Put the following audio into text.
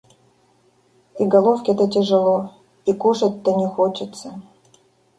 И головке-то тяжело, и кушать-то не хочется.